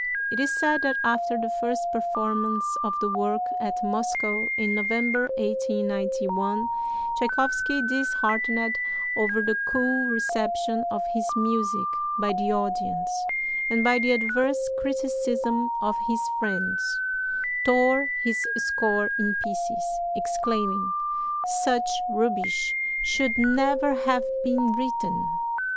It is said that after the first performance of the work at Moscow in November, 1891, Tschaikowsky, disheartened over the cool reception of his music by the audience, and by the adverse criticism of his friends, "tore his score in pieces, exclaiming, 'Such rubbish should never have been written!'"